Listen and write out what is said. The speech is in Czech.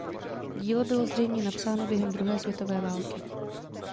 Dílo bylo zřejmě napsáno během druhé světové války.